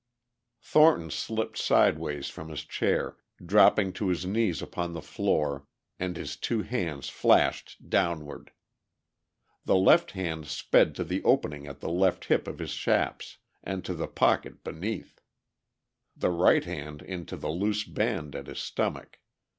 Thornton slipped sideways from his chair, dropping to his knees upon the floor, and his two hands flashed downward. The left hand sped to the opening at the left hip of his chaps, and to the pocket beneath; the right hand into the loose band at his stomach.